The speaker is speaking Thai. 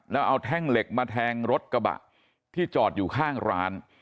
แล้วเอาแท่งเหล็กมาแทงรถกระบะที่จอดอยู่ข้างร้าน